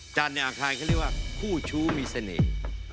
จันทร์ในอังคารเขาเรียกว่าคู่ชู้มีเสน่ห์